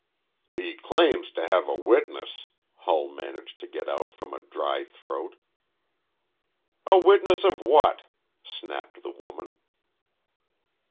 "He claims to have a witness," Hull managed to get out from a dry throat. "A witness of what?" snapped the woman.